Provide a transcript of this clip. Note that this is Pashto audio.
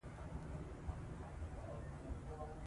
تاریخ د آزادۍ سرود دی.